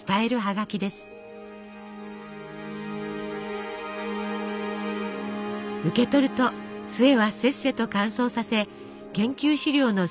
受け取ると壽衛はせっせと乾燥させ研究資料の作成を手伝いました。